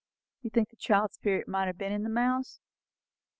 "You think the child's spirit might have been in the mouse?"